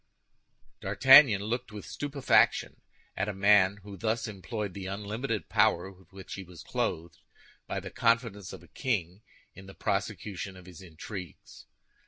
D'Artagnan looked with stupefaction at a man who thus employed the unlimited power with which he was clothed by the confidence of a king in the prosecution of his intrigues.